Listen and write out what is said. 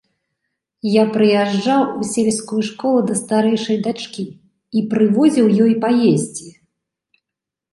Я прыязджаў у сельскую школу да старэйшай дачкі і прывозіў ёй паесці.